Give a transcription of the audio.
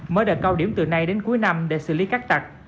mở đợt cao điểm từ nay đến cuối năm để xử lý cát tặc